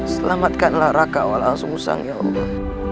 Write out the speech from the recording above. selamatkanlah raka'a langsung usang ya allah